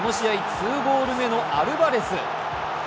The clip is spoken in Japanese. ２ゴール目のアルバレス。